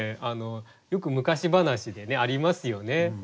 よく昔話でありますよね。